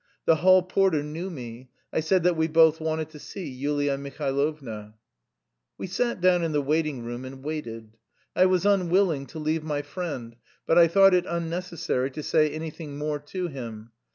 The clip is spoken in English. The hall porter knew me; I said that we both wanted to see Yulia Mihailovna. We sat down in the waiting room and waited. I was unwilling to leave my friend, but I thought it unnecessary to say anything more to him.